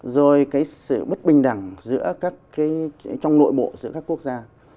rồi cái sự bất bình đẳng giữa các cái trong nội bộ giữa các quốc gia